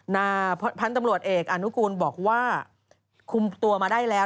พันธุ์ตำรวจเอกอนุกูลบอกว่าคุมตัวมาได้แล้ว